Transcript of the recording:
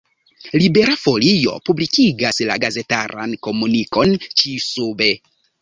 Libera Folio publikigas la gazetaran komunikon ĉi-sube.